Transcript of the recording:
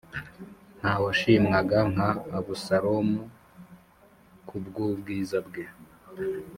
ntawashimwaga nka Abusalomu ku bw’ubwiza bwe